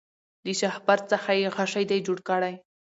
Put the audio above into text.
له شهپر څخه یې غشی دی جوړ کړی